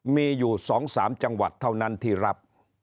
มีอยู่๒๓จังหวัดเท่านั้นที่รับ